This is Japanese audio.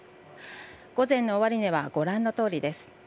午前の終値はご覧のとおりです。